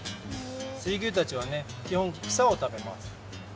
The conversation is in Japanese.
水牛たちはねきほんくさを食べます！